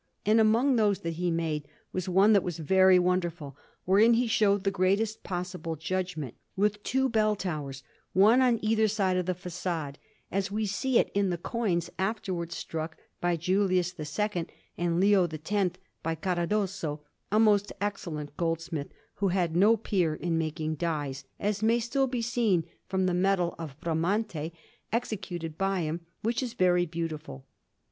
And among those that he made was one that was very wonderful, wherein he showed the greatest possible judgment, with two bell towers, one on either side of the façade, as we see it in the coins afterwards struck for Julius II and Leo X by Caradosso, a most excellent goldsmith, who had no peer in making dies, as may still be seen from the medal of Bramante, executed by him, which is very beautiful.